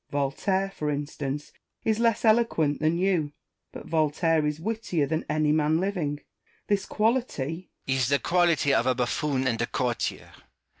Voltaire, for instance, is less eloquent than you : but Voltaire is wittier than any man living. This quality Rousseau. Is the quality of a bufFoon and a courtier.